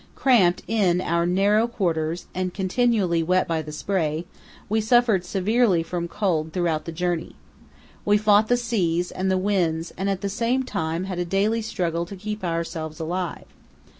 Cramped in our narrow quarters and continually wet by the spray, we suffered severely from cold throughout the journey. We fought the seas and the winds and at the same time had a daily struggle to keep ourselves alive.